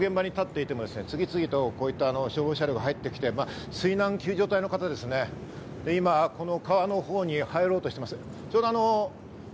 我々はあの現場に立っていても、次々とこういった消防車両が入ってきて水難救助隊の方々ですね、今、この川のほうに入ろうとしています。